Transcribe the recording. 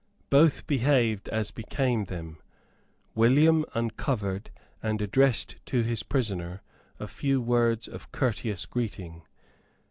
Both behaved as became them. William uncovered, and addressed to his prisoner a few words of courteous greeting.